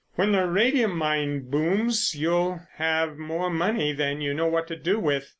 When the radium mine booms you'll have more money than you know what to do with.